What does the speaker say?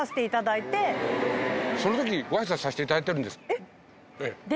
えっ？